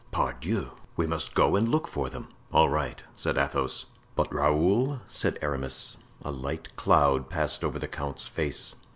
"Pardieu! we must go and look for them." "All right," said Athos. "But Raoul?" said Aramis. A light cloud passed over the count's face.